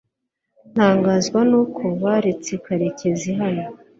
ntangazwa nuko baretse karekezi hano